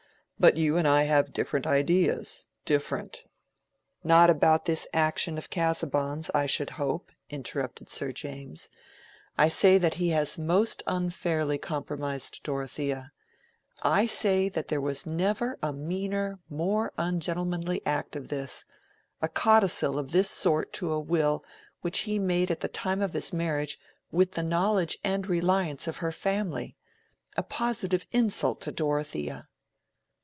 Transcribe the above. But you and I have different ideas—different—" "Not about this action of Casaubon's, I should hope," interrupted Sir James. "I say that he has most unfairly compromised Dorothea. I say that there never was a meaner, more ungentlemanly action than this—a codicil of this sort to a will which he made at the time of his marriage with the knowledge and reliance of her family—a positive insult to Dorothea!"